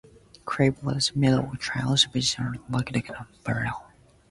Chapple was the middle child of five children of Kingsley and Winifred Chapple.